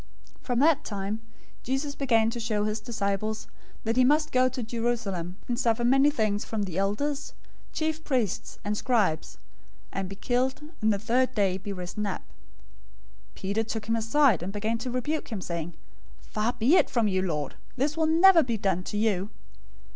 016:021 From that time, Jesus began to show his disciples that he must go to Jerusalem and suffer many things from the elders, chief priests, and scribes, and be killed, and the third day be raised up. 016:022 Peter took him aside, and began to rebuke him, saying, "Far be it from you, Lord! This will never be done to you."